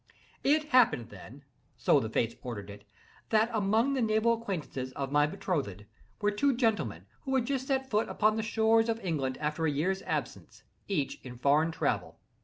It happened then—so the Fates ordered it—that among the naval acquaintances of my betrothed, were two gentlemen who had just set foot upon the shores of England, after a year's absence, each, in foreign travel.